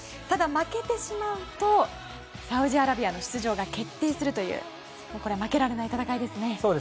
ただ、負けてしまうとサウジアラビアの出場が決定するという負けられない戦いですね。